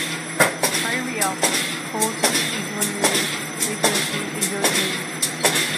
Éirí as; Comhaltas a Fhionraí; Oibríochtaí a Fhionraí.